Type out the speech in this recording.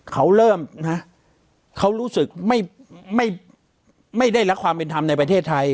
เขาเริ่มนะเขารู้สึกไม่ได้รักความเป็นธรรมในประเทศไทย